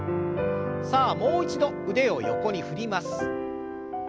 さあもう一度腕を横に振ります。